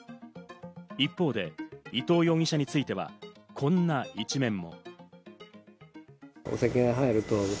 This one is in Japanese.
一方で伊藤容疑者については、こんな一面も。